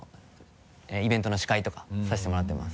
イベントの司会とかさせてもらってます。